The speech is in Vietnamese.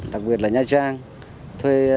đặc biệt là nha trang thuê